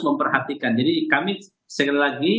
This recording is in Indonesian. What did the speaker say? memperhatikan jadi kami sekali lagi